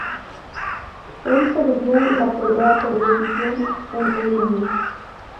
Él perdió la pelea por decisión unánime.